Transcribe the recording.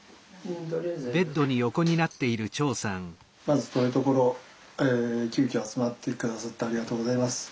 まず遠いところ急きょ集まって下さってありがとうございます。